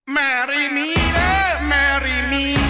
แม่รี่มีแล้วแม่รี่มี